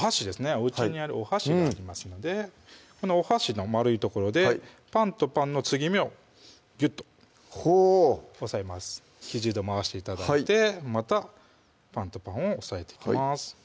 おうちにあるお箸がありますのでこのお箸の丸い所でパンとパンの継ぎ目をギュッと押さえます９０度回して頂いてまたパンとパンを押さえていきます